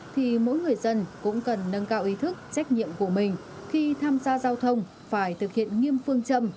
thì mỗi người dân cũng cần nâng cao ý thức trách nhiệm của mình khi tham gia giao thông phải thực hiện nghiêm phương châm